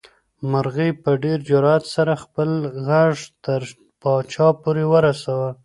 مرغۍ په ډېر جرئت سره خپل غږ تر پاچا پورې ورساوه.